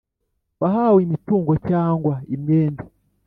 wahawe imitungo cyangwa imyenda